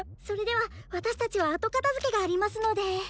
それでは私たちは後片づけがありますので。